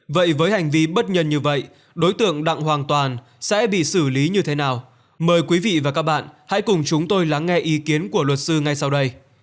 vậy với hành vi bất nhân như vậy đối tượng đặng hoàng toàn sẽ bị xử lý như thế nào mời quý vị và các bạn hãy cùng chúng tôi lắng nghe ý kiến của luật sư ngay sau đây